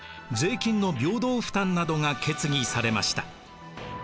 税金の平等負担などが決議されました。